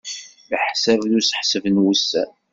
Leḥsab d useḥseb n wussan.